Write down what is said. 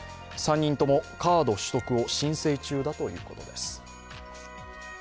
３人ともカード取得を申請中だということです。